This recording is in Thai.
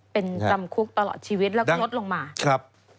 เป็นจำคุกตลอดชีวิตแล้วก็ลดลงมาครับ